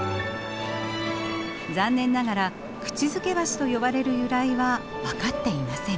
残念ながら口づけ橋と呼ばれる由来は分かっていません。